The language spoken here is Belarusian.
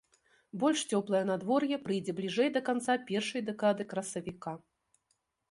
Больш цёплае надвор'е прыйдзе бліжэй да канца першай дэкады красавіка.